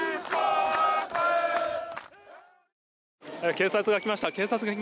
警察が来ました。